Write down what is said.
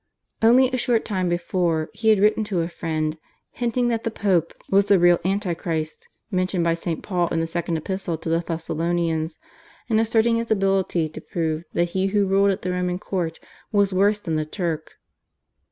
Only a short time before he had written to a friend, hinting that the Pope was the real Anti Christ mentioned by St. Paul in the Second Epistle to the Thessalonians, and asserting his ability to prove that he who ruled at the Roman Court was worse than the Turk.